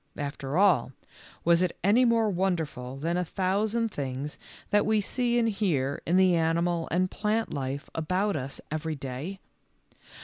After all, was it any more wonderful than a 52 THE LITTLE FORESTERS. thousand things that we see and hear in the animal and plant life about us every day?